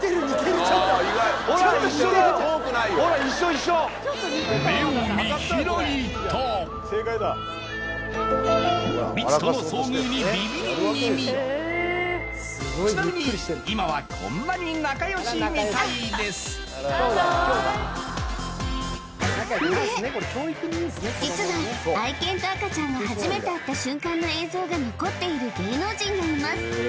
実は愛犬と赤ちゃんが初めて会った瞬間の映像が残っている芸能人がいます